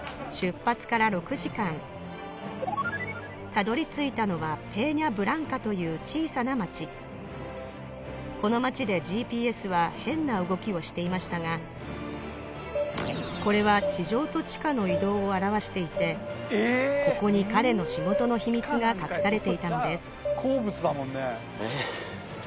たどり着いたのはペーニャ・ブランカという小さな町この町でＧＰＳは変な動きをしていましたがこれは地上と地下の移動を表していてここに彼の仕事の秘密が隠されていたのです